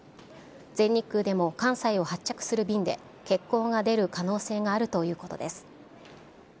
全日空でも関西を発着する便で、欠航が出る可能性があるということです。